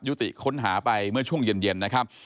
ติค้นหาไปเมื่อช่วงเย็นนะครับ